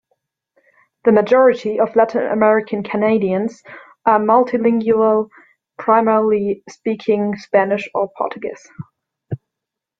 The majority of Latin American Canadians are multilingual, primarily speaking Spanish or Portuguese.